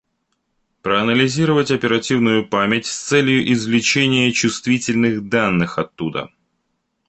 Проанализировать оперативную память с целью извлечения чувствительных данных оттуда